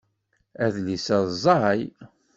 Adlis-a ẓẓay.